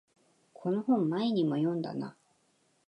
この本前にも読んだな